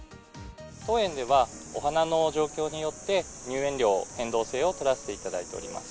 当園では、お花の状況によって入園料変動制を取らせていただいております。